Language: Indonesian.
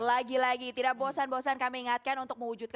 lagi lagi tidak bosan kami ingatkan